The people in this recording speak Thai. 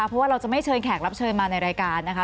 เพราะว่าเราจะไม่เชิญแขกรับเชิญมาในรายการนะคะ